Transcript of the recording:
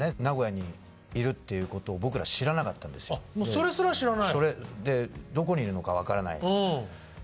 それすら知らない。